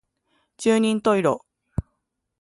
十人十色